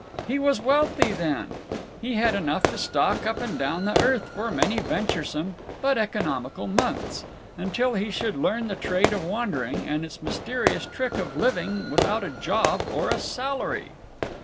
He was wealthy, then. He had enough to stalk up and down the earth for many venturesome (but economical) months, till he should learn the trade of wandering, and its mysterious trick of living without a job or a salary.